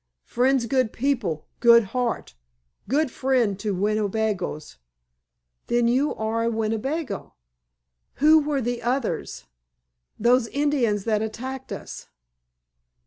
"Friends good people. Good heart. Good friend to Winnebagoes." "Then you are a Winnebago? Who were the others—those Indians that attacked us?"